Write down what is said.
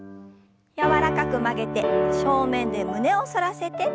柔らかく曲げて正面で胸を反らせて。